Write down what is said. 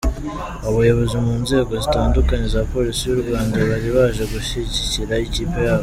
Abayobozi mu nzego zitandukanye za Polisi y'u Rwanda bari baje gushyigikira ikipe yabo.